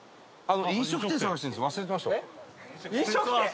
飲食店探してるんです。